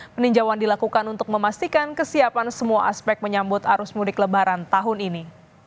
peninjauan dilakukan untuk memastikan kesiapan semua aspek menyambut arus mudik lebaran tahun ini